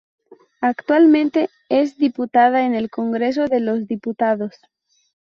Actualmente es diputada en el Congreso de los Diputados.